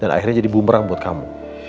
dan akhirnya jadi bumerang buat kamu